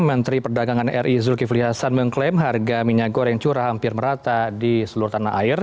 menteri perdagangan ri zulkifli hasan mengklaim harga minyak goreng curah hampir merata di seluruh tanah air